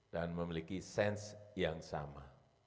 dan memiliki sense yang sama